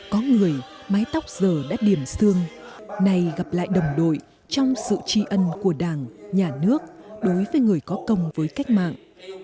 có người mái tóc giờ đã điểm xương nay gặp lại đồng đội trong sự tri ân của đảng nhà nước đối với người có công với cách mạng